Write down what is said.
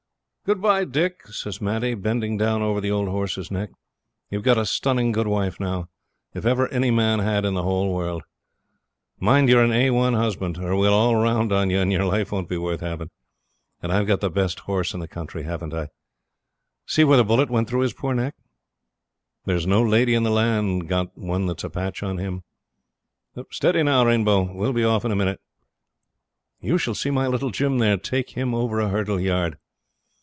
'Good bye, Dick,' says Maddie, bending down over the old horse's neck. 'You've got a stunning good wife now, if ever any man had in the whole world. Mind you're an A1 husband, or we'll all round on you, and your life won't be worth having; and I've got the best horse in the country, haven't I? See where the bullet went through his poor neck. There's no lady in the land got one that's a patch on him. Steady, now, Rainbow, we'll be off in a minute. You shall see my little Jim there take him over a hurdle yard.